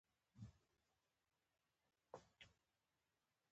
موږ به سبا کرکټ ولوبو.